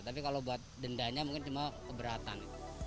tapi kalau buat dendanya mungkin cuma keberatan